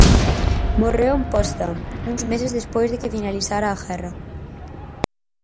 Morreu en Potsdam uns meses despois de que finalizara a guerra.